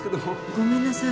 ごめんなさい。